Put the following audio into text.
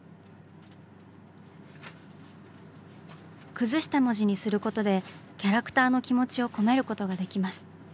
崩した文字にすることでキャラクターの気持ちを込めることができます。